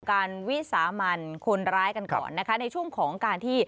วิสามันคนร้ายกันก่อนนะคะในช่วงของการที่